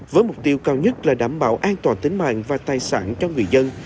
với mục tiêu cao nhất là đảm bảo an toàn tính mạng và tài sản cho người dân